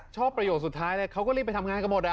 ประโยคสุดท้ายเลยเขาก็รีบไปทำงานกันหมด